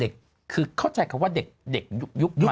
คือเข้าใจว่าเด็กยุคใหม่